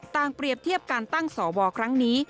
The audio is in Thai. เปรียบเทียบการตั้งสวครั้งนี้